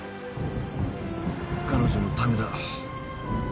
彼女のためだ。